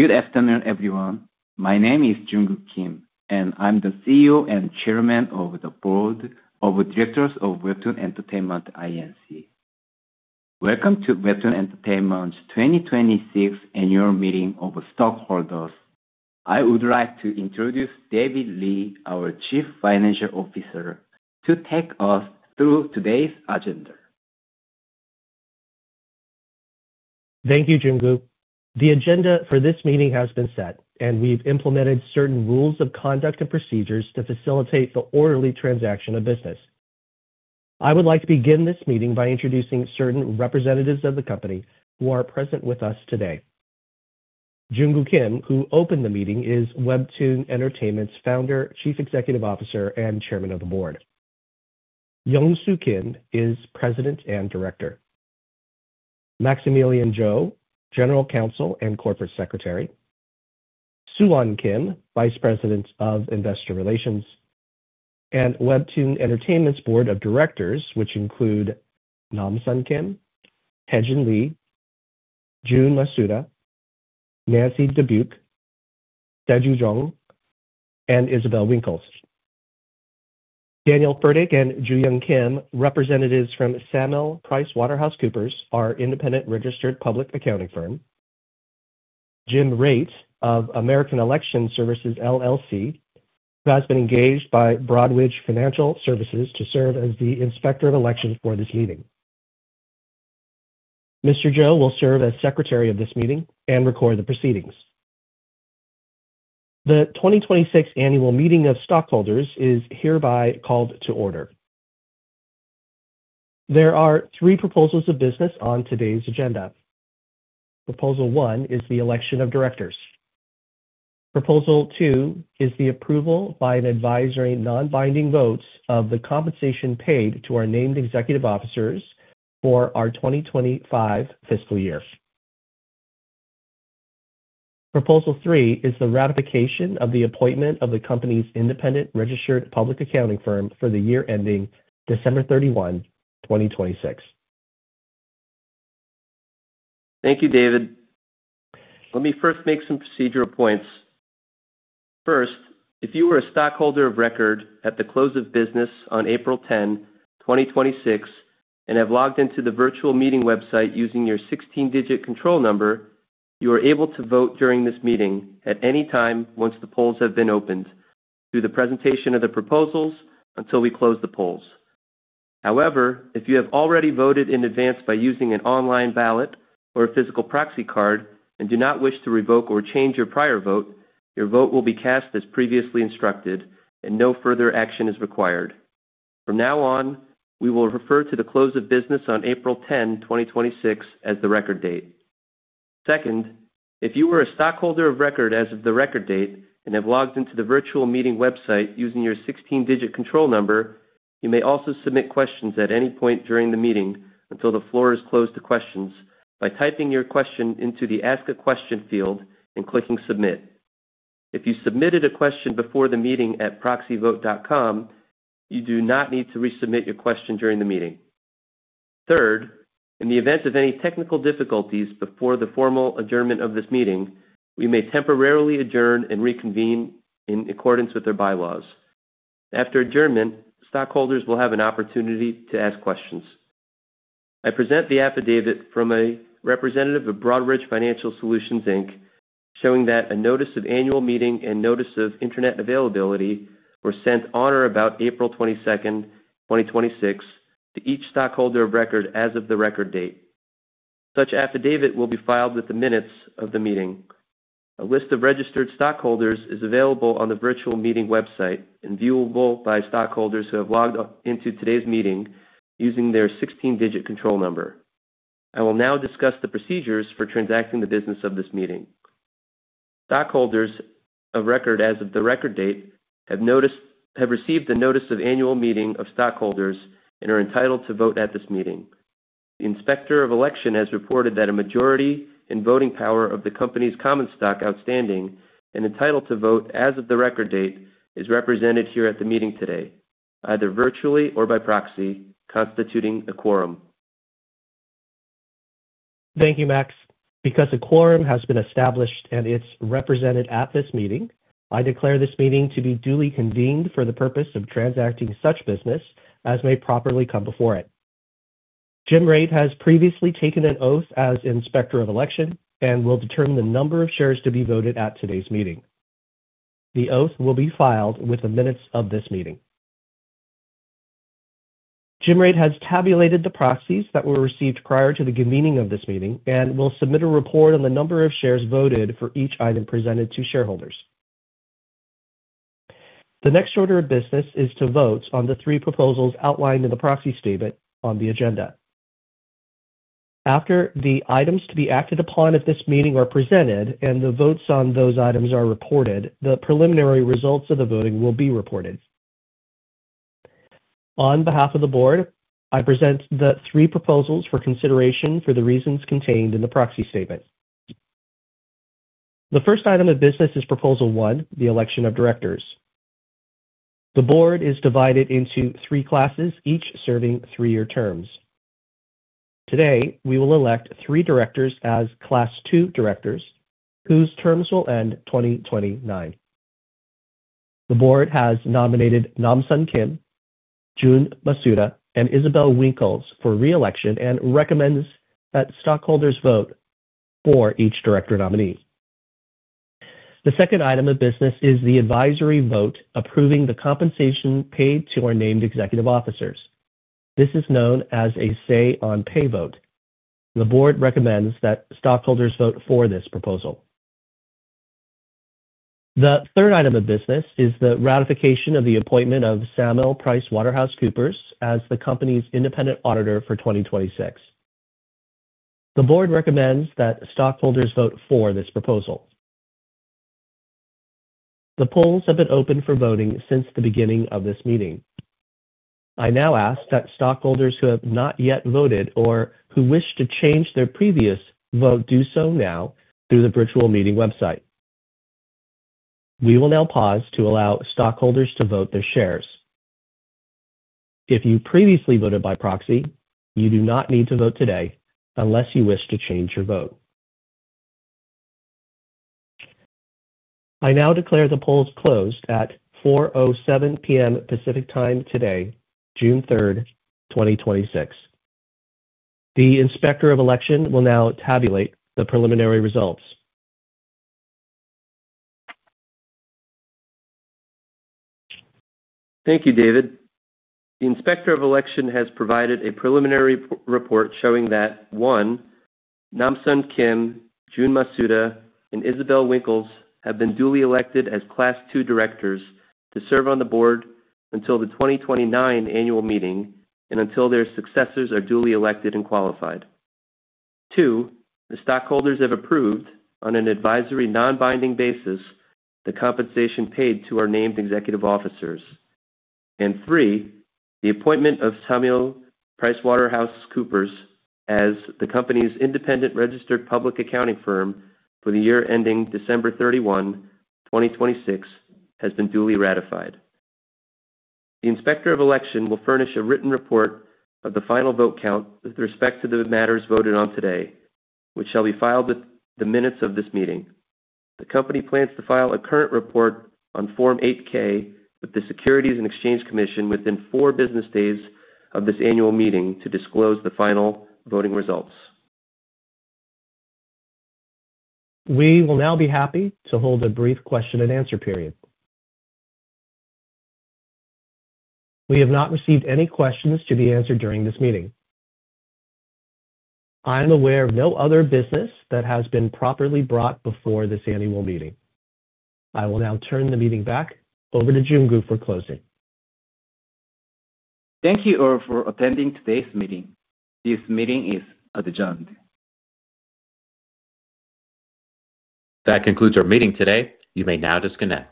Good afternoon, everyone. My name is Junkoo Kim, I'm the CEO and Chairman of the Board of Directors of WEBTOON Entertainment Inc. Welcome to WEBTOON Entertainment's 2026 annual meeting of stockholders. I would like to introduce David Lee, our Chief Financial Officer, to take us through today's agenda. Thank you, Junkoo. The agenda for this meeting has been set, and we've implemented certain rules of conduct and procedures to facilitate the orderly transaction of business. I would like to begin this meeting by introducing certain representatives of the company who are present with us today. Junkoo Kim, who opened the meeting, is WEBTOON Entertainment's Founder, Chief Executive Officer, and Chairman of the Board. Yongsoo Kim is President and Director. Maximilian Jo, General Counsel and Corporate Secretary. Soohwan Kim, Vice President of Investor Relations. WEBTOON Entertainment's Board of Directors, which include Namsun Kim, Haejin Lee, Jun Masuda, Nancy Dubuc, Saeju Jeong, and Isabelle Winkles. Daniel Fertig and Juyoung Kim, representatives from Samil PricewaterhouseCoopers, our independent registered public accounting firm. Jim Raitt of American Election Services LLC, who has been engaged by Broadridge Financial Services to serve as the Inspector of Election for this meeting. Mr. Jo will serve as Secretary of this meeting and record the proceedings. The 2026 Annual Meeting of Stockholders is hereby called to order. There are three proposals of business on today's agenda. Proposal one is the election of directors. Proposal two is the approval by an advisory non-binding votes of the compensation paid to our named executive officers for our 2025 fiscal year. Proposal three is the ratification of the appointment of the company's independent registered public accounting firm for the year ending December 31, 2026. Thank you, David. Let me first make some procedural points. First, if you were a stockholder of record at the close of business on April 10, 2026, and have logged in to the virtual meeting website using your 16-digit control number, you are able to vote during this meeting at any time once the polls have been opened through the presentation of the proposals until we close the polls. However, if you have already voted in advance by using an online ballot or a physical proxy card and do not wish to revoke or change your prior vote, your vote will be cast as previously instructed and no further action is required. From now on, we will refer to the close of business on April 10, 2026, as the record date. Second, if you were a stockholder of record as of the record date and have logged in to the virtual meeting website using your 16-digit control number, you may also submit questions at any point during the meeting until the floor is closed to questions by typing your question into the Ask a Question field and clicking Submit. If you submitted a question before the meeting at proxyvote.com, you do not need to resubmit your question during the meeting. Third, in the event of any technical difficulties before the formal adjournment of this meeting, we may temporarily adjourn and reconvene in accordance with the bylaws. After adjournment, stockholders will have an opportunity to ask questions. I present the affidavit from a representative of Broadridge Financial Solutions Inc., showing that a notice of annual meeting and notice of internet availability were sent on or about April 22nd, 2026, to each stockholder of record as of the record date. Such affidavit will be filed with the minutes of the meeting. A list of registered stockholders is available on the virtual meeting website and viewable by stockholders who have logged into today's meeting using their 16-digit control number. I will now discuss the procedures for transacting the business of this meeting. Stockholders of record as of the record date have received a notice of annual meeting of stockholders and are entitled to vote at this meeting. The Inspector of Election has reported that a majority in voting power of the company's common stock outstanding and entitled to vote as of the record date is represented here at the meeting today, either virtually or by proxy, constituting a quorum. Thank you, Max. Because a quorum has been established and it's represented at this meeting, I declare this meeting to be duly convened for the purpose of transacting such business as may properly come before it. Jim Raitt has previously taken an oath as Inspector of Election and will determine the number of shares to be voted at today's meeting. The oath will be filed with the minutes of this meeting. Jim Raitt has tabulated the proxies that were received prior to the convening of this meeting and will submit a report on the number of shares voted for each item presented to shareholders. The next order of business is to vote on the three proposals outlined in the proxy statement on the agenda. After the items to be acted upon at this meeting are presented and the votes on those items are reported, the preliminary results of the voting will be reported. On behalf of the board, I present the three proposals for consideration for the reasons contained in the proxy statement. The first item of business is proposal one, the election of directors. The board is divided into three classes, each serving three-year terms. Today, we will elect three directors as Class II directors whose terms will end 2029. The board has nominated Namsun Kim, Jun Masuda, and Isabelle Winkles for re-election and recommends that stockholders vote for each director nominee. The second item of business is the advisory vote approving the compensation paid to our named executive officers. This is known as a Say on Pay vote. The board recommends that stockholders vote for this proposal. The third item of business is the ratification of the appointment of Samil PricewaterhouseCoopers as the company's independent auditor for 2026. The board recommends that stockholders vote for this proposal. The polls have been open for voting since the beginning of this meeting. I now ask that stockholders who have not yet voted or who wish to change their previous vote do so now through the virtual meeting website. We will now pause to allow stockholders to vote their shares. If you previously voted by proxy, you do not need to vote today unless you wish to change your vote. I now declare the polls closed at 4:07 P.M. Pacific Time today, June 3rd, 2026. The Inspector of Election will now tabulate the preliminary results. Thank you, David. The Inspector of Election has provided a preliminary report showing that, one, Namsun Kim, Jun Masuda, and Isabelle Winkles have been duly elected as Class II directors to serve on the board until the 2029 Annual Meeting and until their successors are duly elected and qualified. Two, the stockholders have approved, on an advisory non-binding basis, the compensation paid to our named executive officers. Three, the appointment of Samil PricewaterhouseCoopers as the company's independent registered public accounting firm for the year ending December 31, 2026, has been duly ratified. The Inspector of Election will furnish a written report of the final vote count with respect to the matters voted on today, which shall be filed with the minutes of this meeting. The company plans to file a current report on Form 8-K with the Securities and Exchange Commission within four business days of this annual meeting to disclose the final voting results. We will now be happy to hold a brief question and answer period. We have not received any questions to be answered during this meeting. I am aware of no other business that has been properly brought before this annual meeting. I will now turn the meeting back over to Junkoo for closing. Thank you all for attending today's meeting. This meeting is adjourned. That concludes our meeting today. You may now disconnect.